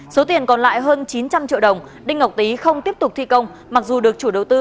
số tiền còn lại hơn chín trăm linh triệu đồng đinh ngọc tý không tiếp tục thi công mặc dù được chủ đầu tư